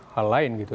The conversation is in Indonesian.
hal lain gitu